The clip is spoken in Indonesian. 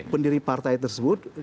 pendiri partai tersebut